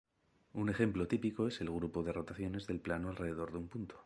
Un ejemplo típico es el grupo de rotaciones del plano alrededor de un punto.